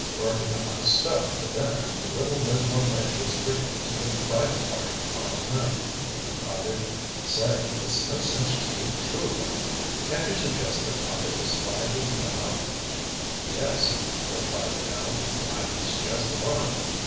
"Working up my stuff for the dinner the little Lismore lady is giving to the bridal party to morrow night," he confided. "Say, it's no cinch to do two of them. Can't you suggest a topic that's liable to come up." "Yes," replied Minot. "I can suggest one.